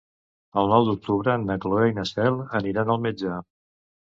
El nou d'octubre na Cloè i na Cel aniran al metge.